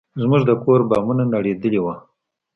زموږ د کور بامونه نړېدلي وو.